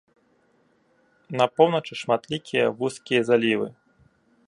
На поўначы шматлікія вузкія залівы.